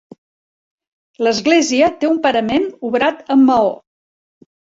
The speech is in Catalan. L'església té un parament obrat amb maó.